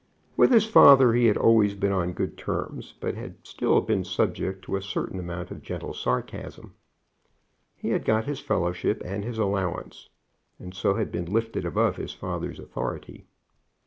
With his father he had always been on good terms, but had still been subject to a certain amount of gentle sarcasm. He had got his fellowship and his allowance, and so had been lifted above his father's authority.